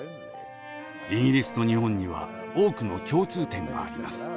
イギリスと日本には多くの共通点があります。